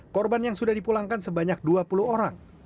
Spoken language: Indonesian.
korban yang sudah dipulangkan sebanyak dua puluh orang